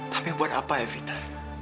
tapi buat apa ya vita